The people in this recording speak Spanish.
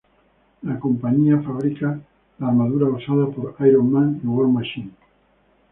La compañía fabrica la armadura usada por Iron Man y War Machine.